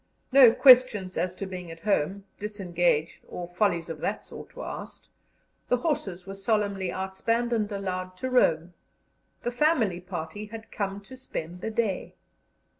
No questions as to being at home, disengaged, or follies of that sort, were asked; the horses were solemnly outspanned and allowed to roam; the family party had come to spend the day.